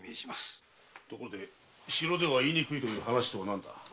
ところで城では言いにくい話とは何だ？